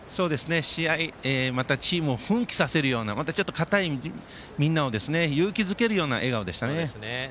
試合、またはチームを奮起させるようなちょっと硬いみんなを勇気づけるような笑顔でしたね。